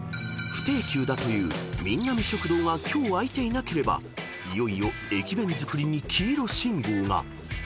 ［不定休だという「ミンナミ食堂」が今日開いていなければいよいよ駅弁作りに黄色信号が］